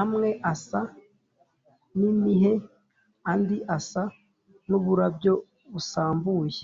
amwe asa n’imihe, andi asa n’uburabyo busambuye